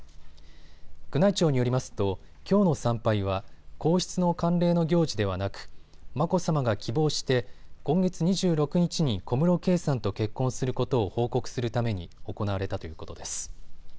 宮内庁によりますときょうの参拝は皇室の慣例の行事ではなく眞子さまが希望して今月２６日に小室圭さんと結婚することを報告するために行われたということです。